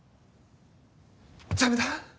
駄目だ。